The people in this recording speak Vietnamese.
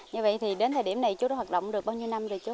như vậy thì đến thời điểm này chú đã hoạt động được bao nhiêu năm rồi chú